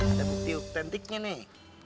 ada bukti autentiknya nih